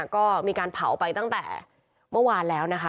ก็มีการเผาไปตั้งแต่เมื่อวานแล้วนะคะ